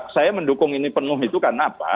saya mendukung ini penuh itu karena apa